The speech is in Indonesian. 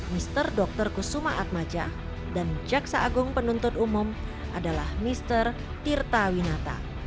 mister dokter kusumaat maja dan jaksa agung penuntut umum adalah mister tirta winata